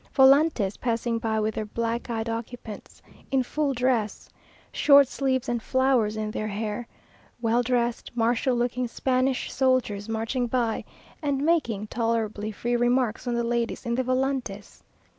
volantes passing by with their black eyed occupants, in full dress, short sleeves, and flowers in their hair; well dressed, martial looking Spanish soldiers marching by, and making tolerably free remarks on the ladies in the volantes....